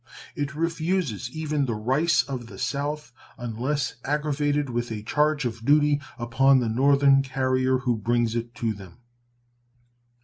It refuses even the rice of the South unless aggravated with a charge of duty upon the Northern carrier who brings it to them.